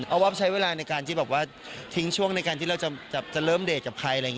เอาว่าใช้เวลาในการทิ้งช่วงในการที่เราจะเริ่มเดทกับใคร